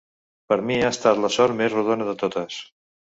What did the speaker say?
Per mi ha estat la sort més rodona de totes.